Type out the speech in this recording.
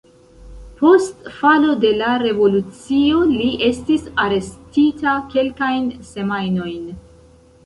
Post falo de la revolucio li estis arestita kelkajn semajnojn.